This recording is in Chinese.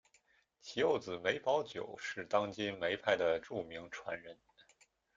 其幼子梅葆玖是当今梅派的着名传人。